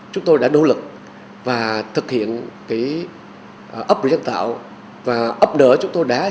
chúng tôi đã đỗ lực và thực hiện cái ấp nụy nhân tạo